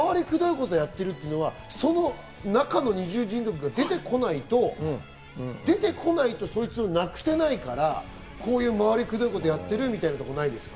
ことをやってるっていうのは中の二重人格が出てこないとそいつをなくせないから、こういう回りくどいことをやってるみたなところないですか？